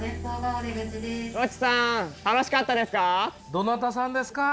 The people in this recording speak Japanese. どなたさんですか？